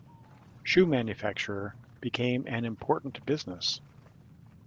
Shoe manufacture became an important business.